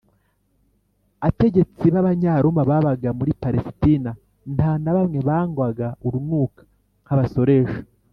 ategetsi b’abanyaroma babaga muri palesitina, nta na bamwe bangwagwa urunuka nk’abasoresha